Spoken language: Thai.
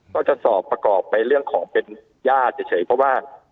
ก็จะสอบประกอบไปเรื่องของเป็นญาติเฉยเพราะว่า